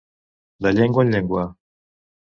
De llengua en llengua.